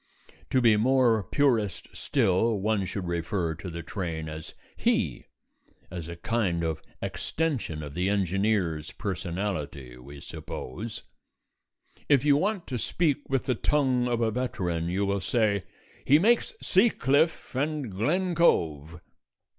To be more purist still, one should refer to the train as "he" (as a kind of extension of the engineer's personality, we suppose). If you want to speak with the tongue of a veteran, you will say, "He makes Sea Cliff and Glen Cove."